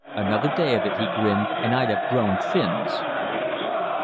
"Another day of it," he grinned, "and I'd have grown fins."